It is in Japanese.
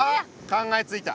考えついた。